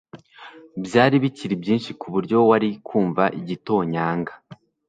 Byari bikiri byinshi kuburyo wari kumva igitonyanga